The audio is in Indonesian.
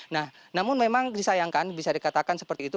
nah namun memang disayangkan bisa dikatakan seperti itu